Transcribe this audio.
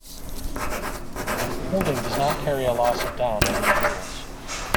Holding does not carry a loss of down under the rules.